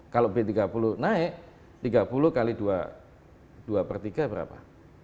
kalau b tiga puluh naik tiga puluh x dua per tiga berapa